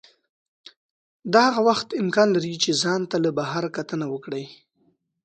دا هغه وخت امکان لري چې ځان ته له بهر کتنه وکړئ.